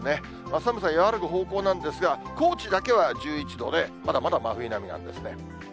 寒さ和らぐ方向なんですが、高知だけは１１度で、まだまだ真冬並みなんですね。